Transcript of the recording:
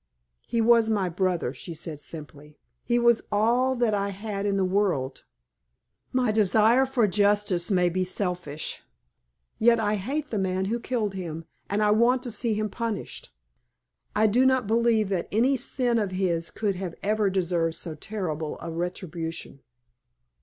"He was my brother," she said, simply. "He was all that I had in the world. My desire for justice may be selfish. Yet I hate the man who killed him, and I want to see him punished. I do not believe that any sin of his could ever have deserved so terrible a retribution."